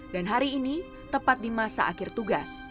dan hari ini tepat di masa akhir tugas